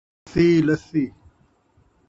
اسی لسی